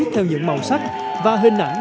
theo những màu sắc và hình ảnh